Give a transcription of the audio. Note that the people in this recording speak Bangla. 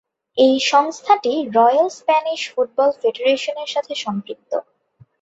এই সংস্থাটি রয়্যাল স্প্যানিশ ফুটবল ফেডারেশনের সাথে সম্পৃক্ত।